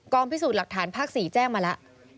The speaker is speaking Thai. พิสูจน์หลักฐานภาค๔แจ้งมาแล้ว